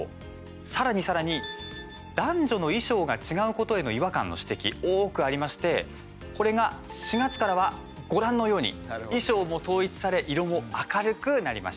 さらにさらに男女の衣装が違うことへの違和感の指摘、多くありましてこれが４月からはご覧のように衣装を統一され色も明るくなりました。